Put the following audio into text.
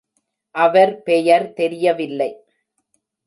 அவர் பெயர் தெரியவில்லை.